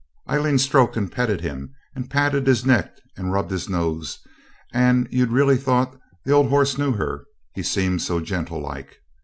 Aileen stroked and petted him and patted his neck and rubbed his nose, and you'd raly thought the old horse knew her, he seemed so gentle like.